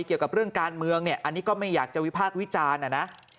เกี่ยวกับเรื่องการเมืองเนี่ยอันนี้ก็ไม่อยากจะวิพากษ์วิจารณ์นะ